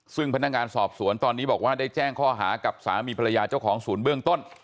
ซึ่งพนักงานสอบสวนตอนนี้บอกว่าได้แจ้งข้อหากับสามีภรรยาเจ้าของศูนย์เบื้องต้น